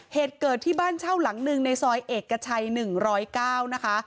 เหตุเกิดที่บ้านเช่าหลังหนึ่งในซอยเอกชัย๑๐๙นะคะ